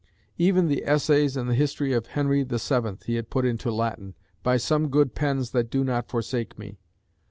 Even the Essays and the History of Henry VII. he had put into Latin "by some good pens that do not forsake me."